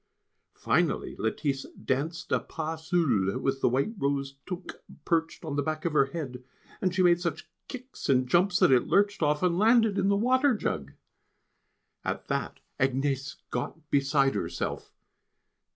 Finally Lettice danced a pas seul with the white rose toque perched on the back of her head, and she made such kicks and jumps that it lurched off, and landed in the water jug! At that Agnès got beside herself.